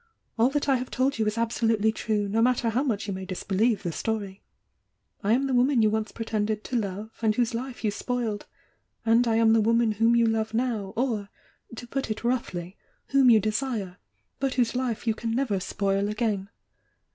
All that I have told you is absolutely true, no matter how much you may disbelieve the story. I am the woman you once pretended to love, and whose life you spoiled, — and I am the woman whom you love now, or (to put it roughly) whom you desire, but whose life you can never spoil again.